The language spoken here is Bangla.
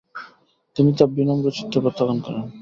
তিনি তা বিনম্র চিত্তে প্রত্যাখান করেন।